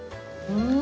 うん！